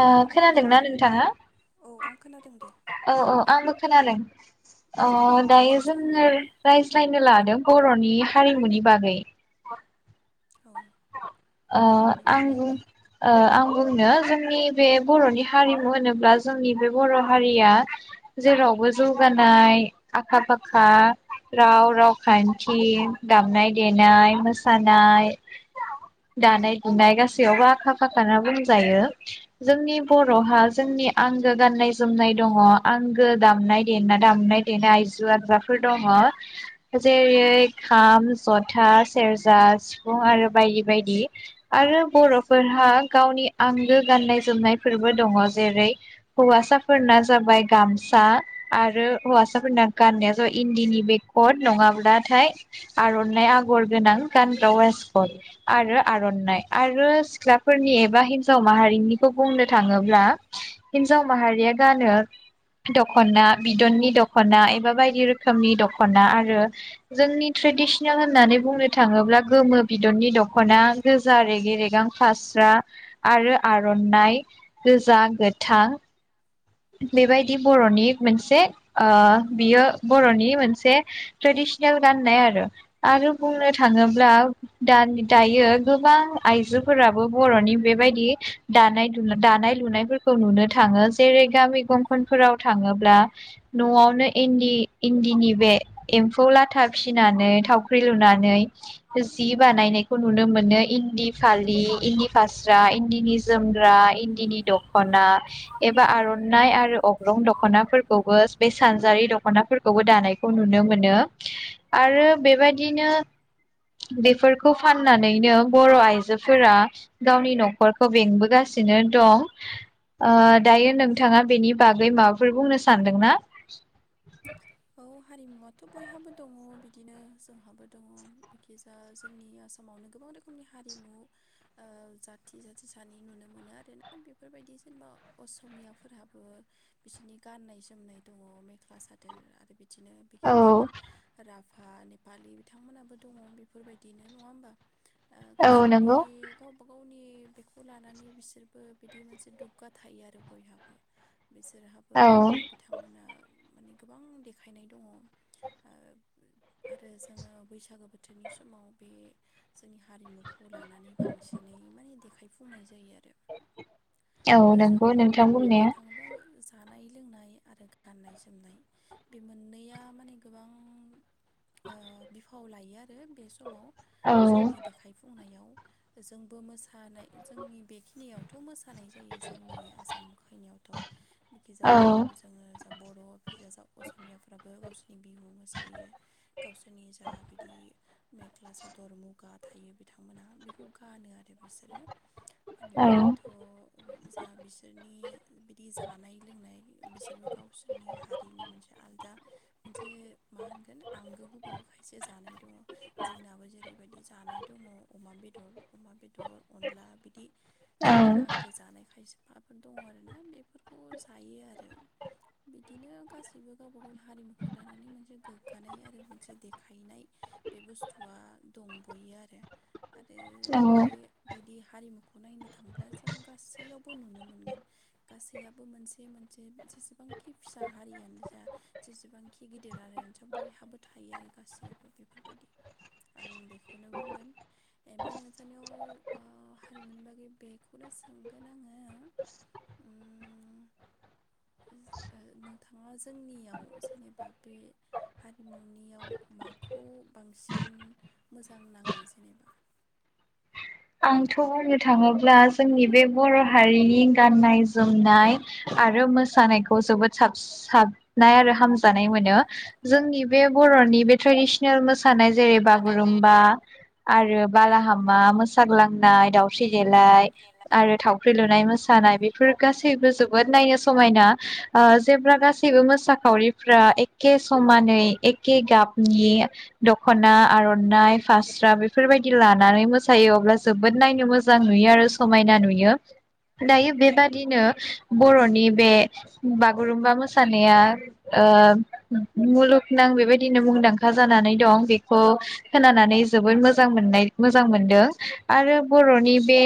अ खोनादोंना नोंथाङा औ औ आंबो खोनादों [inaudible] अ दायो जोङो राय लायनो लादों बर'नि हारिमुनि बागै औ ओ आं बुंनो आं बुंनो जोंनि बे बर'नि हारिमु होनोब्ला जोंनि बे बर' हारिया जेरावबो जौगानाय आखा फाखा राव रावखान्थि दामनाय देनाय मोसानाय दानाय लुनाय गासैयावबो आखा फाखाना बुंजायो जोंनि बर'हा जोंनि आंगो गाननाय जोमनाय दङ आंगो दामनाय देनाय दामनाय देनाय आगजु आगलाफोर दङ जेरै खाम जथा सेरजा सिफुं आरो बायदि बायदि आरो बर'फोरहा गावनि आंगो गाननाय जोमनायफोरबो दङ जेरै हौवासाफोरना जाबाय गामसा आरो हौवासाफोरना गाननाया जाबाय इन्दिनि बेकड नङाब्लाथाय आर'नाइ आगर गोनां गानग्रा वेसकड आरो आर'नाइ आरो सिख्लाफोरनि एबा हिनजाव माहारिनिखौ बुंनो थाङोब्ला हिनजाव माहारिया गानो दख'ना बिदननि दख'ना एबा बायदि रोखोमनि दख'ना आरो जोंनि ट्रेडिसनेल होननानै बुंनो थाङोब्ला गोमो बिदननि दख'ना गोजा रेगि रेगां फास्रा आरो आर'नाइ गोजा गोथां बेबायदि बर'नि मोनसे ओ बियो बर'नि मोनसे ट्रेडिसनेल गाननाय आरो आरो बुंनो थाङोब्ला दा दायो गोबां आइजोफोराबो बर'नि बेबायदि दानाय दानाय लुनायफोरखौ नुनो थाङो जेरै गामि गंखनफोराव थाङोब्ला न'आवनो इन्दि इन्दिनि बे एम्फौ लाथा फिनानै थावख्रि लुनानै जि बानायनायखौ नुनो मोनो इन्दि फालि इन्दि फास्रा इन्दिनि जोमग्रा इन्दिनि दख'ना एबा आर'नाइ आरो अग्रं दख'नाफोरखौबो बे सानजारि दख'नाफोरखौबो दानायखौ नुनो मोनो आरो बेबायदिनो बेफोरखौ फाननानैनो बर' आइजोफोरा गावनि न'खरखौ बेंबोगासिनो दं ओ दायो नोंथाङा बेनि बागै माबाफोर बुंनो सानदोंना औ हारिमुवाथ' बयहाबो दङ बिदिनो जोंहाबो दङ बिखिजा जोंनि आसामावनो गोबां रोखोमनि हारिमु ओ जाथि जाथि सानै नुनो मोनो आरोना बेफोरबायदि जेनेबा असमियाफोरहाबो बिसोरनि गाननाय जोमनाय दङ मेख्ला सादोर बिदिनो बेखिनि थागोन राफ नेपालि बिथांमोनाबो दङ बेफोरबायदिनो नङा होमबा गावसोरनि गावबा गावनि बेखौ लानानै बिसोरबो बिदि मोनसे दुग्गा थायो आरो बयहाबो बिसोरहाबो बिथांमोना माने गोबां दे खायनाय दङ आरो जोङो बैसागो बोथोरनि समाव बे जोंनि हारिमुखौ खौ लानानै बांसिनै मानेे खायफुंनाय जायो आरो जों बुंनानै थाङोब्ला जा जानाय लोंनाय आरो गाननाय जोमनाय बे मोननैया माने गोबां ओ बिफाव लायो आरो बे समाव जोंनि देखायफुंनायाव जोंबो मोसानाय जोंनि बेखिनियावथ' मोसानाय खानाय जायो जोंनि आसाम खैनायावथ' बिखिजा जोङो बर' [unintelligible] असमियाफ्राबो गावसोरनि बिहु मोसायो गावसोरनि जा बिदि मेख्ला सादर मुगा थायो बिथांमोना बेखौ गानो आरो बिसोरो बेनिफ्रायथ' जा बिसोरनि बिदि जानाय लोंनाय बिसोरबो गावसोरनि हारिनि मोनसे दा मोनसे मा होनगोन आंगो गुबैयैखायसो जानाय दङ जोंनाबो जेरै बेबायदि जानाय दङ अमा बेदर अमा बेदर बेदर अनला बिदि जोंनि आंगो जानाय खायसे साफोर दङ आरोोना बेफोरखौ जायो आरो बिदिनो गासै सिबो गावबा गावनि हारिमुखौ लानानै मोनसे गोग्गानाय आरो मोनसे देखायनाय बे बुस्थुआ दंबयो आरो आरो औ बिदि हारिमुखौ नायनो थांब्ला जों गासैयावबो नुनो मोनगोन गासैहाबो मोनसे मोनसे जेसेबांखि फिसा हारियानो जा जेसेबांखि गिदिर आरो बयहाबो थायो आरो गासैयाबो बेफोरबायदि आं बेखौनो बुंगोन ओमफ्राय नोंसोरनियाव हारिमुनि बागै बेखौनो सोंगोन आङो ओ नोंथाङा जोंनियाव जेनेबा बे हारिमुनियाव माखौ बांसिन मोजां नाङो जेनेबा आंथ' बुंनो थाङोब्ला जोंनि बे बर' हारिनि गाननाय जोमनाय आरो मोसानायखौ जोबोद साब साबनाय आरो हामजानाय मोनो जोंनि बे बर'नि बे ट्रेडिसनेल मोसा थानाय जेरै बागुरुम्बा आरो बाला हामा मस साग्लांनाय दावस्रि देलाय आरो थावख्रि लुनाय मोस जानाय बेफोर गासैबो जोबोद नायनो समायना ओ जेब्ला गासैबो मोसाखावरि फोरा एके समानै एके एके गाबनि दखना आरनाय फास्रा बेफोरबाय लानानै मासायो अब्ला जोबोद नायनो मोजां नुयो आरो समायना नुयो दायो बेबादिनो बर'नि बे बागुरुमबा मोसानाया ओ मुलुगनां बेबायदिनो मुंदांखा जानानै दं बेखौ खोनानानै जोबोद मोजां मोननाय मोजां मोनदों आरो बर'नि बे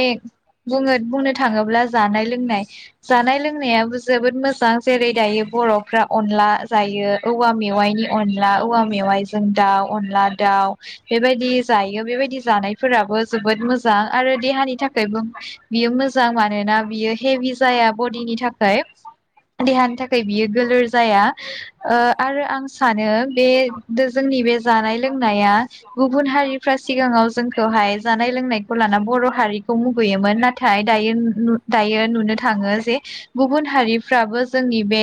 बुङो बुंनो थाङोब्ला जानाय लोंनाय जानाय लोंनायाबो जोबोद मोजां जेरै दायो बर'फ्रा अनला जायो औवा मेवाइनि अनला औवा मेवाइजों दाउ अनला दाउ बेबायदि जायो बेबायदि जानायफोराबो जोबोद मोजां आरो देहानि थाखायबो बियो मोजां मानोना बियो हेभि जाया बडिनि थाखाय देहानि थाखाय बियो गोलोर जाया आरो आं सानो बे जोंनि बे जानाय लोंनाया गुबुन हारिफ्रा सिगाङाव जोंखौहाय जानाय लोंनायखौ लाना बर' हारिखौ मुगैयोमोन नाथाय दायो नुनो थाङो जे गुबुन हारिफ्राबो जोंनि बे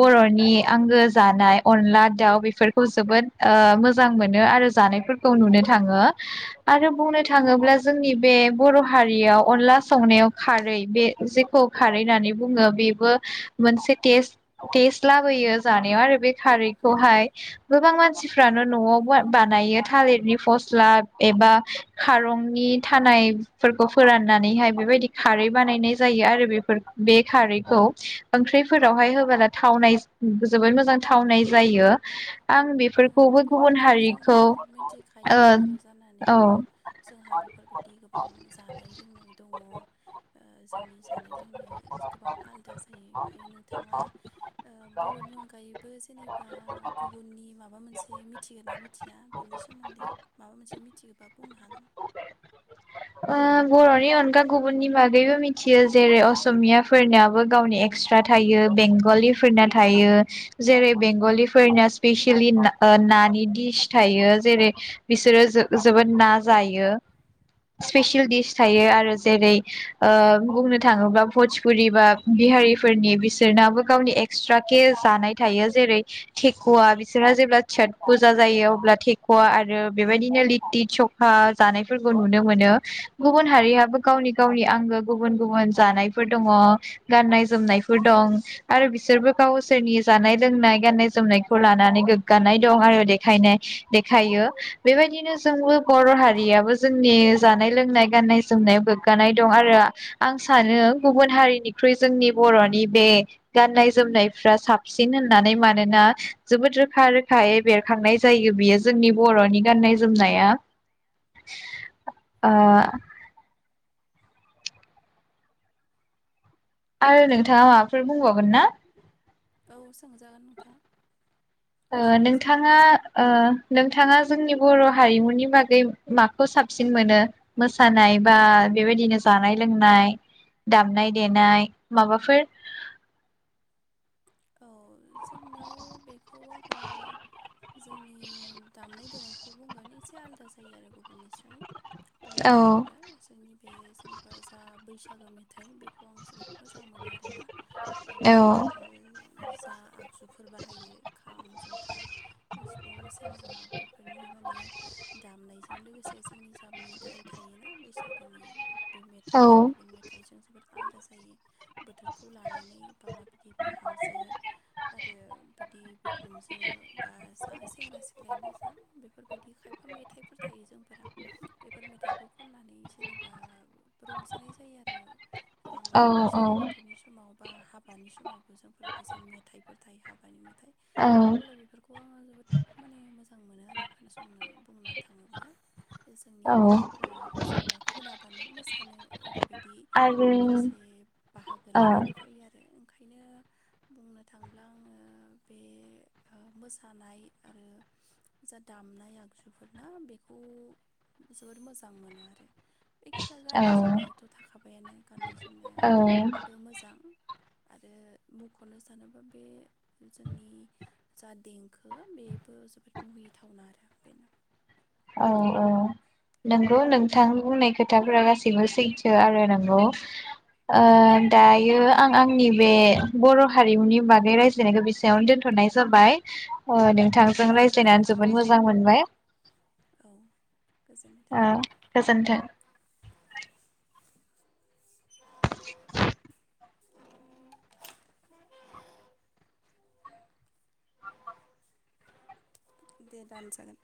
बर'नि आंगो जानाय अनला दाउ बेफोरखौ जोबोद ओ मोजां मोनो आरो जानायफोरखौ नुनो थाङो आरो बुंनो थ थाङोब्ला जोंनि बे बर' हारियाव अनला संनायाव खारै बे जेखौ खारै होननानै बुङो बेबो मोनसे टेस्ट टेस्ट लाबोयो जानायाव आरो बे खारैखौहाय गोबां मानसिफ्रानो न'आव बानायो थालिरनि फस्ला एबा खारंनि थानायफोरखौ फोराननानैहाय बेबायदि खारै बानायनाय जायो आरो बेफोर बे खारैखौ ओंख्रिफोरावहाय होबला थावनाय जोबोद मोजां थावनाय जायो आं बेफोरखौबो गुबुन हारिखौ ओ औ जोंहा बेफोरबायदि गोबां जानाय लोंनाय दङ जोंनि जानाय लोंनाया गोबां आलादा जायो ओमफ्राय नोंथाङा बर'नि अनगायैबो जेनेबा गुबुननि माबा माबा मोनसे मिथिगोन ना मिथिया बेनि सोमोन्दै माबा मोनसे मिथिगोबा बुंनो हागोन ओ बर'नि अनगा गुबुननि बागैबो मिथियो जेरै असमियाफोरनियाबो गावनि एक्सट्रा थायो बेंगलिफोरना थायो जेरै बेंगलिफोरनाया स्पेसिलि ओ नानि डिस थायो जेरै बिसोरो जोबोद न जायो स्पेसियेल दिस थायो आरो जेरै ओ बुंनो थाङोब्ला भजपुरि बा बिहारिफोरनि बिसोरनाबो गावनि एक्सट्रा केे जानाय थायो जेरै थेख'वा बिसोरहा जेब्ला सट फुजा जायो अब्ला थेख'वा आरो बेबायदिनो लिथि सक आ जानायफोरखौ नुनो मोनो गुबुन हारियाबो गावनि गावनि आंगो गुबुन गुबुन जानायफोर दङ गाननाय जोमनायफोर दं आरो बिसोरबो गावसोरनि जानाय लोंनाय गाननाय जोमनायखौ लानानै गोग्गानाय दं आरो देखायनाय आरो देखायो बेबायदिनो जोंबो बर' हारियाबो जोंनि जानाय लोंनाय गाननाय जोमनाया गोग्गानाय दं आरो आं सानो गुबुन हारिनिख्रुइ जोंनि बर'नि बे गाननाय जोमनायफ्रा साबसिन होननानै मानोना जोबोद रोखा रोखायै बेरखांनाय जायो बियो जोंनि बर'नि गाननाय जोमनाया ओ आरो नोंथाङा माबाफोर बुंबावगोन ना औ ओ नोंथाङा ओ नों नोंथाङा जोंनि बर' हारिमुनि बागै माखौ साबसिन मोनो मोसानाय बा बेबायदिनो जानाय लोंनाय दामनाय देनाय माबाफोर औ जोंनाव बेखौ आं जोंनि दामनाय देनाय खौ बुंगोन एसे आलदा जायो आरो गुबुननिस्र बुंनो थाङोब्ला जोंनि बे जेनेबा जा बैसागो मेथाइ बेखौ आं जोबोद मोजां मोनो आरोना बेवहाय जा आगजुफोर बाहायो खाम जथा सिफुं सेरजा बेफोरनि माने दामनायजों लोगोसे जोंनि जा मेथाइ थायोना बैसागोनि बे मेथाइआ गुबुन मेथाइजों जोबोद आलदा जायो बोथोरखौ लानानै बा बिदि बिहामजो बि बिखुमजो बा जा सेंग्रा सिख्लायानो जा बेफोरबायदि खायफा मे मेथाइफोर थायो जोंफोरा बेफोर मेथाइखौ खननानै जेनेबा रंजानाय जायो आरो जोङो बैसागो बोथोरनि समाव बा हाबानि समावबो जों खायसा मेथाइफोर थायो हाबानि मेथाइ अब्लाबो बेफोरखौ आङो जोबोद माने मोजां मोजां मोनो आरो खोनासंनो बुंनो थाङोब्ला जोंनि मेथाइफोरा जेनेबा खोनाबानो मोसानो ओरैबायदि मोनसे बाहागो लानानै फैयो आरो ओंखायनो बुंनो थाङोला आङो बे मोसानाय आरो जा दामनाय आगजुफोरना बेखौ जोबोर मोजां मोनो आरो बेखिथा गाननाय जोमनायाथ' थाखाबायानो गाननाय जोमनायाबो मोजां आरो मख'नो सानोबा बे जोंनि जा देंखो बेबो जोबोद मुहिथावना आरो बेनो औ औ नंगौ नोंथां बुंनाय खोथाफोरा गासैबो सैथो आरो नंगौ ओ दायो आं आंनि बे बर' हारिमुनि बागै रायज्लायनायखौ बेसेयावनो दोनथ'नाय जाबाय ओ नोंथांजों रायज्लायनानै जोबोद मोजां मोनबाय औ गोजोन्नाय थाबाय [inaudible] दे दान जागोन